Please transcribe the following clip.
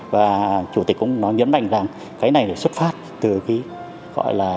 và chủ tịch cũng nói nhấn mạnh rằng cái này là xuất phát từ cái gọi là